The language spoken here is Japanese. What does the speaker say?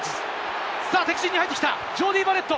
敵陣に入ってきた、ジョーディー・バレット。